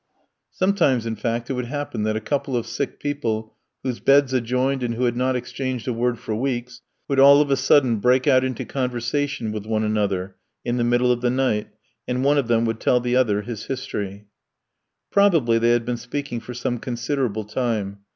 Sometimes, in fact, it would happen that a couple of sick people, whose beds adjoined and who had not exchanged a word for weeks, would all of a sudden break out into conversation with one another, in the middle of the night, and one of them would tell the other his history. Probably they had been speaking for some considerable time.